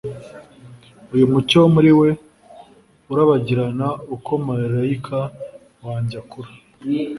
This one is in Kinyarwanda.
Uyu mucyo muri we urabagirana uko marayika wanjye akura